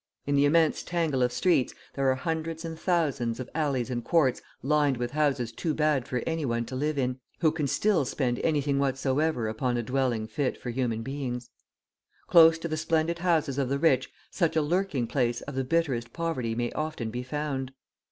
In the immense tangle of streets, there are hundreds and thousands of alleys and courts lined with houses too bad for anyone to live in, who can still spend anything whatsoever upon a dwelling fit for human beings. Close to the splendid houses of the rich such a lurking place of the bitterest poverty may often be found.